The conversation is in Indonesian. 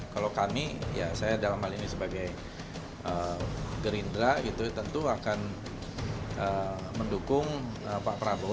kalau kami ya saya dalam hal ini sebagai gerindra gitu tentu akan mendukung pak prabowo